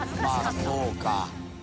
そうか。